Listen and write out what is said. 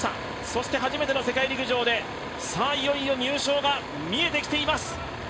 そして初めての世界陸上でいよいよ入賞が見えてきています。